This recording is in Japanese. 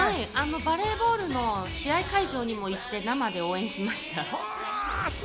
バレーボールの試合会場にも行って、生で応援しました。